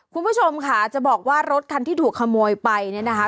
คุณผู้ชมค่ะจะบอกว่ารถคันที่ถูกขโมยไปเนี่ยนะคะ